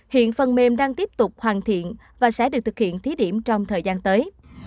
hiện phần mềm đang tiếp tục hoàn thiện và sẽ được thực hiện thí điểm trong thời gian tới